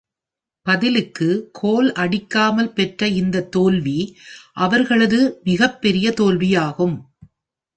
பதிலுக்கு கோல் அடிக்காமல் பெற்ற இந்தத் தோல்வி அவர்களது மிகப்பெரிய தோல்வியாகும்.